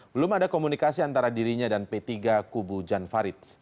belum ada komunikasi antara dirinya dan p tiga kubu jan farid